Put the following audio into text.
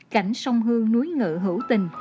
cảnh sông hương núi ngự hữu tình